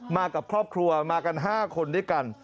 มากับครอบครัวมากัน๕คนด้วยกัน